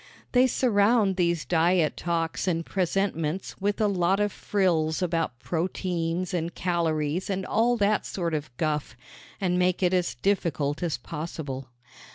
They surround these diet talks and presentments with a lot of frills about proteins and calories and all that sort of guff, and make it as difficult as possible.